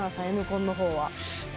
Ｎコンのほうは。